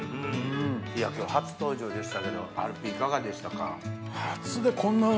今日初登場でしたけどアルピーいかがでしたか？